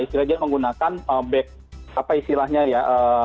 istilah dia menggunakan back apa istilahnya ya